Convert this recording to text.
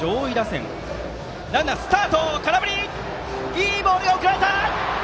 いいボールが送られた！